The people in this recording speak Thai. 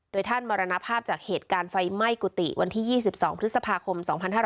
โดยท่านมรณภาพจากเหตุการณ์ไฟไหม้กุฏิวันที่๒๒พฤษภาคม๒๕๕๙